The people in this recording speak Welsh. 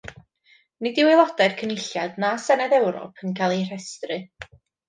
Nid yw Aelodau'r Cynulliad na Senedd Ewrop yn cael eu rhestru.